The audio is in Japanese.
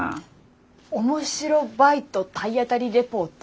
面白バイト体当たりレポート？